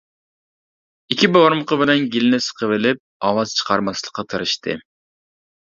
ئىككى بارمىقى بىلەن گېلىنى سىقىۋېلىپ، ئاۋاز چىقارماسلىققا تىرىشتى.